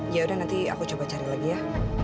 yaudah nanti aku coba cari lagi ya